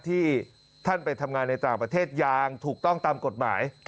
ที่ท่านไปทำงานในต่างประเทศอย่างถูกต้องตามกฎหมาย